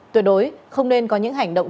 tuyệt đối không nên có những hành động